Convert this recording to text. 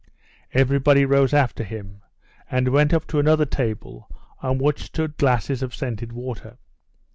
Everybody rose after him, and went up to another table on which stood glasses of scented water.